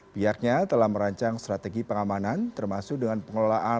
pihaknya telah merancang strategi pengamanan termasuk dengan pengelolaan